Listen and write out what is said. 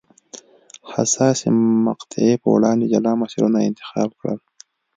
حساسې مقطعې په وړاندې جلا مسیرونه انتخاب کړل.